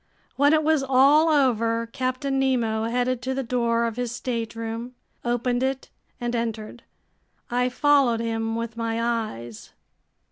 When it was all over, Captain Nemo headed to the door of his stateroom, opened it, and entered. I followed him with my eyes.